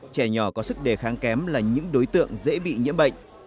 trẻ nhỏ có sức đề kháng kém là những đối tượng dễ bị nhiễm bệnh